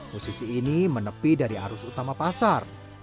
musisi ini menepi dari arus utama pasar